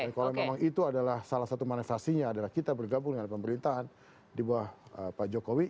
dan kalau memang itu adalah salah satu manifestasinya adalah kita bergabung dengan pemerintahan di bawah pak jokowi